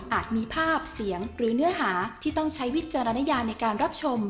มีภาพเสียงหรือเนื้อหาที่ต้องใช้วิจารณญาในการรับชม